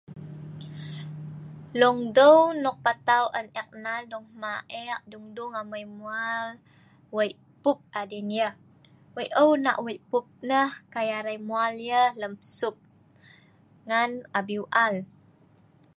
Long deu' nok patau an ek nal dong hma' ek, dung-dung amai mual, wei' pup adin yah. Wei' eu nah wei' pup nah kai arai mual yah lem sup ngan abiu al.